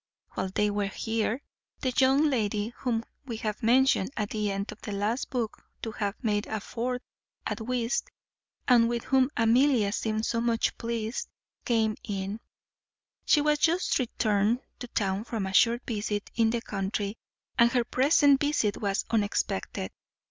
While they were here, the young lady whom we have mentioned at the end of the last book to have made a fourth at whist, and with whom Amelia seemed so much pleased, came in; she was just returned to town from a short visit in the country, and her present visit was unexpected.